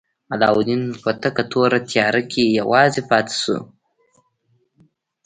علاوالدین په تکه توره تیاره کې یوازې پاتې شو.